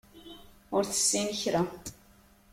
Ur tessin kra.